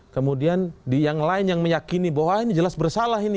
kemudian di yang lain yang meyakini bahwa ini jelas bersalah ini